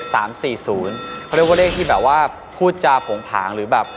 เขาเรียกว่าเลขที่แบบว่าพูดจาโผงผางหรือแบบ